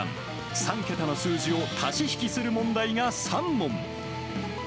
３桁の数字を足し引きする問題が３問。